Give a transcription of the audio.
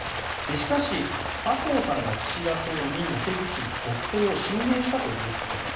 しかし、麻生さんが岸田総理に茂木さんの続投を進言したということです。